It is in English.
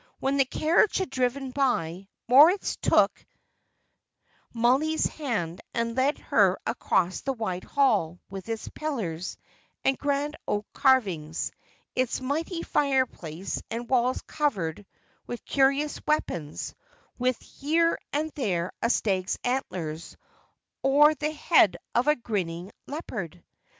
When the carriage had driven away, Moritz took Mollie's hand and led her across the wide hall, with its pillars, and grand oak carvings, its mighty fireplace, and walls covered with curious weapons, with here and there a stag's antlers, or the head of a grinning leopard.